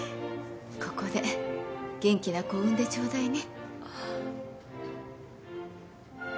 ここで元気な子を産んでちょうだいね。